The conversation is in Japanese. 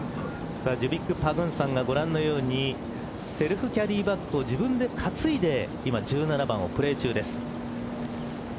ジュビック・パグンサンがご覧のようにセルフキャディーバックを自分で担いで１７番をプレー中です。